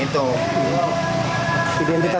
ya cuma berapa ya